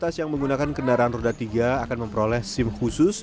lintas yang menggunakan kendaraan roda tiga akan memperoleh sim khusus